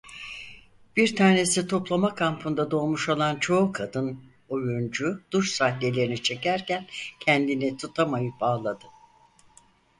Bir tanesi toplama kampında doğmuş olan çoğu kadın oyuncu duş sahnelerini çekerken kendini tutamayıp ağladı.